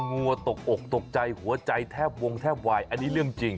วัวตกอกตกใจหัวใจแทบวงแทบวายอันนี้เรื่องจริง